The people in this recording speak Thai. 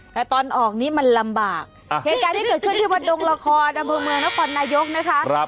แต่ตอนออกนี้มันลำบากเหตุการณ์ที่เกิดขึ้นที่วัดดงละครอำเภอเมืองนครนายกนะคะ